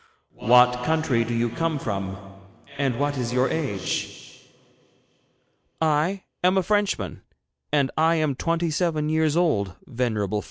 'What country do you come from, and what is your age?' 'I am a Frenchman, and I am twenty seven years old venerable Pharaoh.'